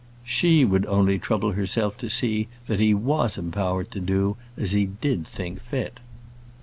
She would only trouble herself to see that he was empowered to do as he did think fit.